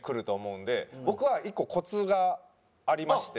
僕は１個コツがありまして。